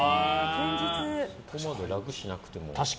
そこまで楽しなくても。